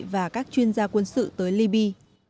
và các chuyên gia quân sự tới lyby